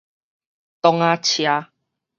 檔仔車